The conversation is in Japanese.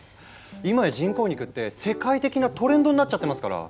いまや人工肉って世界的なトレンドになっちゃってますから。